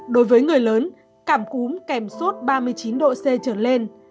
đối với người lớn cảm cúm kèm sốt ba mươi chín độ c trở lên